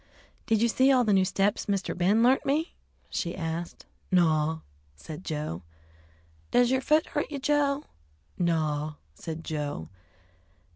"Did you see all the new steps Mr. Ben learnt me?" she asked. "Naw," said Joe. "Does yer foot hurt you, Joe?" "Naw," said Joe.